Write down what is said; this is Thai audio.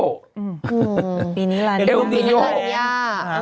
ปีนี้ลานิยา